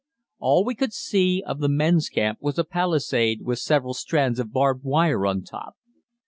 All we could see of the men's camp was a palisade with several strands of barbed wire on top.